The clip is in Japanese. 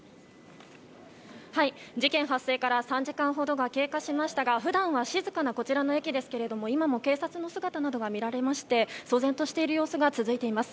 事件発生から３時間ほどが経過しましたが普段は静かなこちらの駅ですけども今も警察の姿などが見られまして騒然としている様子が続いています。